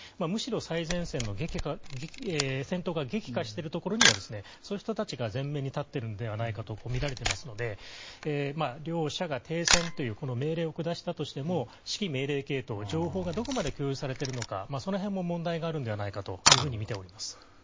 むしろ最前線の戦闘が激化しているところにはそういう人たちが前面に立っているのではないかとみられていますので両者が停戦という命令を下しても指揮命令系統、情報がどこまで共有されているのかその辺も問題があるのではないかとみております。